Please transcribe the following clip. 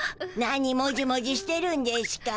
何もじもじしてるんでしゅか。